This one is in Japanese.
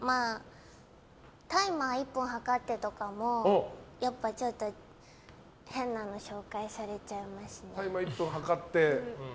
タイマー１分測って、とかも何か変なの紹介されちゃいますね。